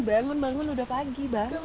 bangun bangun bangun udah pagi bangun